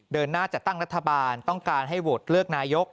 เดินหน้าจัดตั้งรัฐบาลต้องการให้โหวตเลือกนายก